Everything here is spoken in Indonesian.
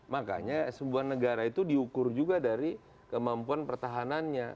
makanya sebuah negara itu diukur juga dari kemampuan pertahanannya